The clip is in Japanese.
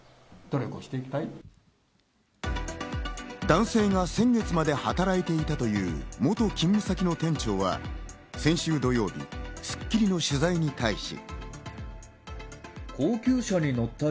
男性が先月まで働いていたという元勤務先の店長は、先週土曜日『スッキリ』の取材に対し。